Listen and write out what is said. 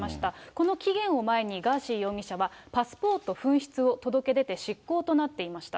この期限を前に、ガーシー容疑者はパスポート紛失を届け出て執行となっていました。